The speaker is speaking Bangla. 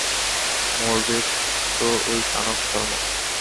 মরবে তো ওই কানক শার্মা।